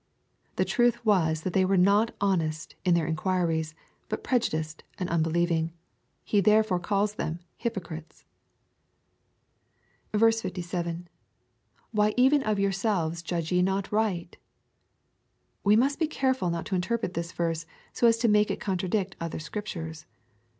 The truth was that they were not honest in their in quiries, but prejudiced and unbeheving. He therefore calls them " hypocrites." 67. —[ Why even of yowrsehes judge yenot..righi^ We must be care ful not to interpret this verse so as to make it contradict other Scriptures.